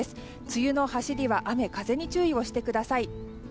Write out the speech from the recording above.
梅雨の走りは雨風に注意をしてください。